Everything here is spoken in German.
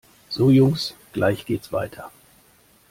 So Jungs, gleich geht's weiter!